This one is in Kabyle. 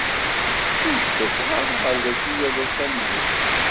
Ur d-ttaseɣ ara ar dagi yal ass am zik.